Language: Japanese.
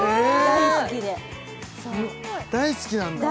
大好きなんです